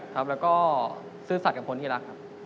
ครับแล้วก็ซื่อสัตว์กับคนที่รักครับ